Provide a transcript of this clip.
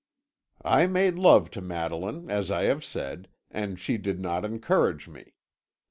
"I made love to Madeline, as I have said, and she did not encourage me.